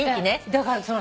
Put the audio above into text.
だからその。